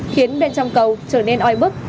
khiến bên trong cầu trở nên oi bức